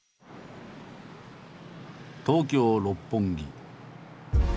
東京六本木。